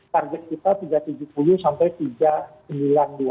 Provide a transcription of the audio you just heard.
target kita tiga ratus tujuh puluh sampai tiga ratus sembilan puluh dua